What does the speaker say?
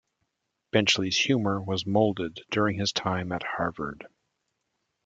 Benchley's humor was molded during his time at Harvard.